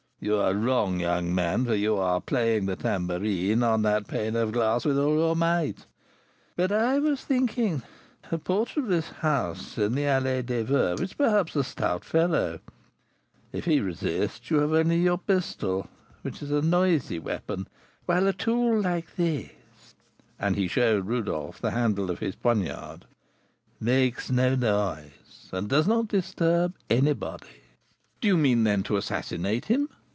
"You are wrong, young man; for you are playing the tambourine on that pane of glass with all your might. But I was thinking, the porter of this house in the Allée des Veuves is perhaps a stout fellow; if he resists, you have only your pistol, which is a noisy weapon, whilst a tool like this (and he showed Rodolph the handle of his poniard) makes no noise, and does not disturb anybody." "Do you mean, then, to assassinate him?"